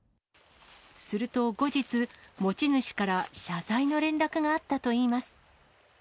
すると後日、持ち主から謝罪の連絡があったといいます。